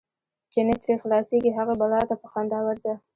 چی نه ترې خلاصیږې، هغی بلا ته په خندا ورځه .